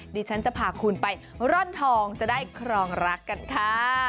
ดิฉันจะพาคุณไปร่อนทองจะได้ครองรักกันค่ะ